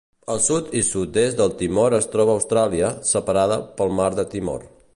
Al sud i sud-est de Timor es troba Austràlia, separada pel mar de Timor.